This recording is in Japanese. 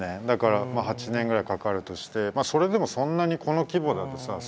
だから８年ぐらいかかるとしてそれでもそんなにこの規模だとさ